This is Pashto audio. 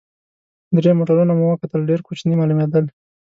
درې موټرونه مو وکتل، ډېر کوچني معلومېدل.